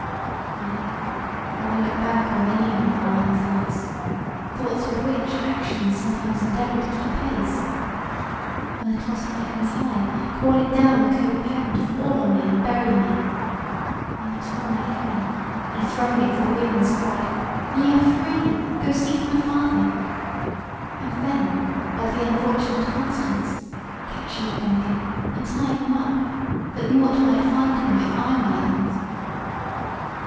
Nay, when I look back on many of my wild thoughts, thoughts with which actions sometimes endeavoured to keep pace; when I tossed my hands high calling down the cope of heaven to fall on me and bury me; when I tore my hair and throwing it to the winds cried, "Ye are free, go seek my father!" And then, like the unfortunate Constance, catching at them again and tying them up, that nought might find him if I might not.